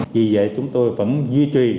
vì vậy chúng tôi vẫn duy trì